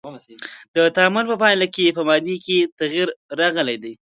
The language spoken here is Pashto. د تعامل په پایله کې په مادې کې تغیرات راغلی دی.